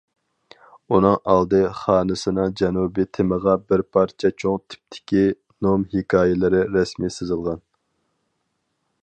ئۇنىڭ ئالدى خانىسىنىڭ جەنۇبىي تېمىغا بىر پارچە چوڭ تىپتىكى نوم ھېكايىلىرى رەسىمى سىزىلغان.